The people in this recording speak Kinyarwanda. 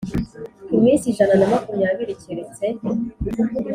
Iminsi ijana na makumyabiri keretse